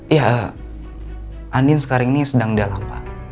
ya andin sekarang ini sedang dalam pak